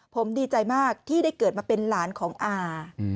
ผมดีใจมากที่ได้เกิดมาเป็นหลานของอา